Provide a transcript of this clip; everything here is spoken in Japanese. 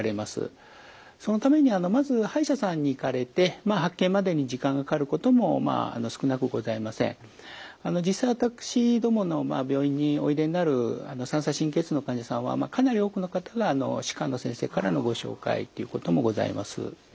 そのために実際私どもの病院においでになる三叉神経痛の患者さんはかなり多くの方が歯科の先生からのご紹介ということもございます。